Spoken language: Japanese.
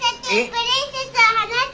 プリンセスを放せ！